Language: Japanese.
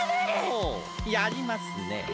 ほうやりますね。